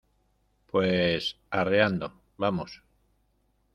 pues arreando. vamos .